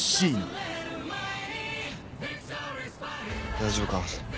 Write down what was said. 大丈夫か？